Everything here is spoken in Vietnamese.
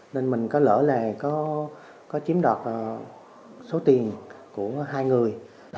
nên mình có lỡ là có chiếm đoạt số tiền của hai người